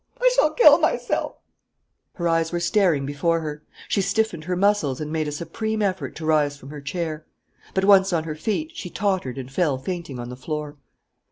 I shall kill myself " Her eyes were staring before her. She stiffened her muscles and made a supreme effort to rise from her chair. But, once on her feet, she tottered and fell fainting on the floor.